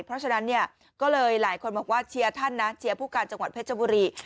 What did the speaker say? เพราะฉะนั้นเนี่ยก็เลยหลายคนบอกว่าเชียร์ท่านนะเชียร์ผู้การจังหวัดเพชรบุรี